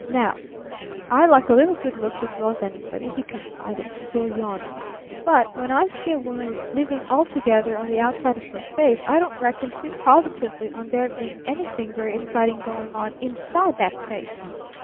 Now I like a little good looks as well as anybody," he confided, still yawning, "but when I see a woman living altogether on the outside of her face I don't reckon too positively on there being anything very exciting going on inside that face.